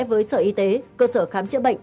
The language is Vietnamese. với sở y tế cơ sở khám chữa bệnh